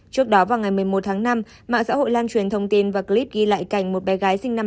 trước đó vào ngày một mươi một tháng năm mạng xã hội lan truyền thông tin và clip ghi lại cảnh một bé gái sinh năm hai nghìn một mươi sáu